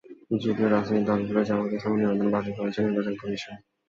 যদিও রাজনৈতিক দল হিসেবে জামায়াতে ইসলামীর নিবন্ধন বাতিল করেছে নির্বাচন কমিশন।